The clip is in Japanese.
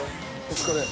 お疲れ。